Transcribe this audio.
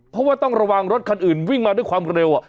เพราะว่าต้องระวังรถคันอื่นวิ่งมาด้วยความเร็ว